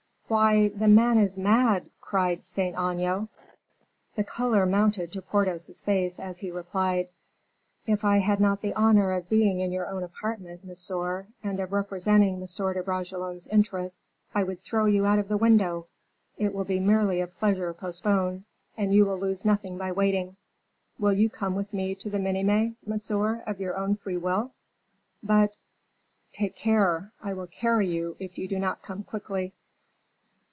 "Why, the man is mad!" cried Saint Aignan. The color mounted to Porthos's face, as he replied: "If I had not the honor of being in your own apartment, monsieur, and of representing M. de Bragelonne's interests, I would throw you out of the window. It will be merely a pleasure postponed, and you will lose nothing by waiting. Will you come with me to the Minimes, monsieur, of your own free will?" "But " "Take care, I will carry you if you do not come quickly."